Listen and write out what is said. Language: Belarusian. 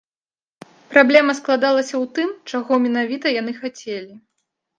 Праблема складалася ў тым, чаго менавіта яны хацелі.